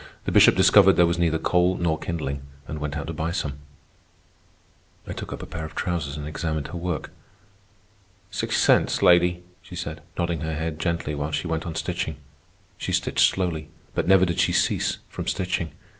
The Bishop discovered there was neither coal nor kindling, and went out to buy some. I took up a pair of trousers and examined her work. "Six cents, lady," she said, nodding her head gently while she went on stitching. She stitched slowly, but never did she cease from stitching.